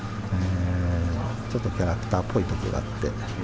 ちょっとキャラクターっぽいところがあって。